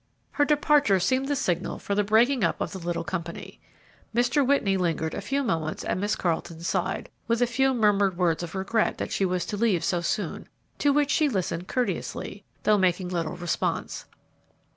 Her departure seemed the signal for the breaking up of the little company. Mr. Whitney lingered a few moments at Miss Carleton's side, with a few murmured words of regret that she was to leave so soon, to which she listened courteously, though making little response.